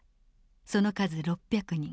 その数６００人。